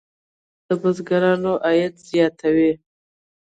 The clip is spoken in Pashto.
د انارو صادرات د بزګرانو عاید زیاتوي.